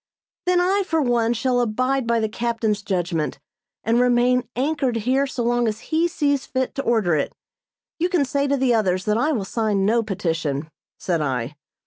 "Then I, for one, shall abide by the captain's judgment, and remain anchored here so long as he sees fit to order it. You can say to the others that I will sign no petition," said I.